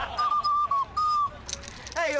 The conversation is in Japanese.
はい！